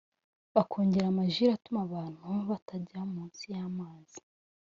bakongera amajile atuma abantu batajya munsi y’amazi